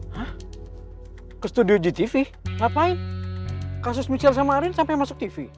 hah ke studio gcv ngapain kasus mikir sama arin sampai masuk tv